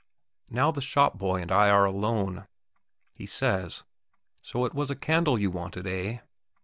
Now the shop boy and I are alone. He says: "So it was a candle you wanted, eh?"